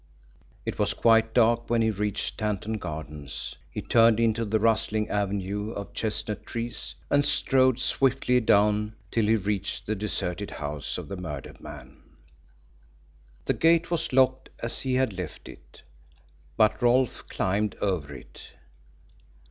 It was quite dark when he reached Tanton Gardens. He turned into the rustling avenue of chestnut trees, and strode swiftly down till he reached the deserted house of the murdered man. The gate was locked as he had left it, but Rolfe climbed over it.